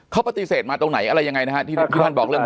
เขาปฏิเสธมาตรงไหนอะไรยังไงนะฮะที่ท่านบอกเรื่อง